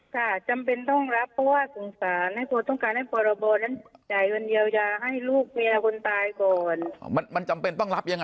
ค่ะจำเป็นต้องรับ